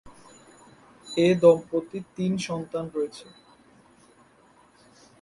এ দম্পতির তিন সন্তান রয়েছে।